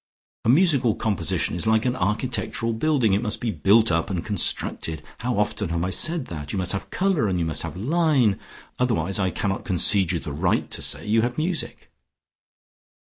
A musical composition is like an architectural building; it must be built up and constructed. How often have I said that! You must have colour, and you must have line, otherwise I cannot concede you the right to say you have music."